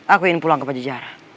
aku ingin pulang ke pajejara